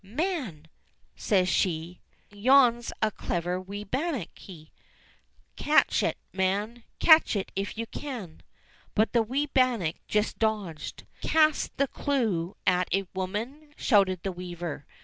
"Man !" says she, "yon's a clever wee bannockie ! Catch it, man ! Catch it if you can." But the wee bannock just dodged. "Cast the clue at it, woman !" shouted the weaver.